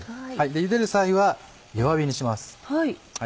ゆでる際は弱火にします。